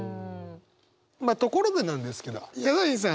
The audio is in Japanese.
まあところでなんですけどヒャダインさん